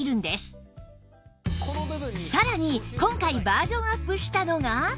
さらに今回バージョンアップしたのが